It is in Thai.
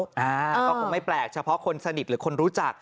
ก็คงไม่แปลกเฉพาะคนสนิทหรือคนรู้จัก